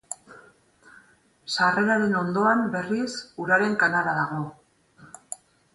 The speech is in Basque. Sarreraren ondoan, berriz, uraren kanala dago.